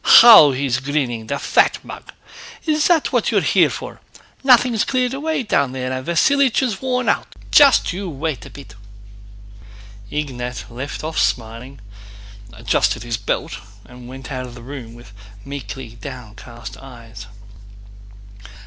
"How he's grinning, the fat mug! Is that what you're here for? Nothing's cleared away down there and Vasílich is worn out. Just you wait a bit!" Ignát left off smiling, adjusted his belt, and went out of the room with meekly downcast eyes.